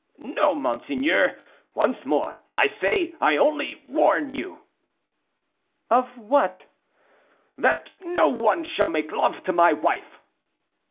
"No, monseigneur; once more, I say, I only warn you." "Of what?" "That no one shall make love to my wife."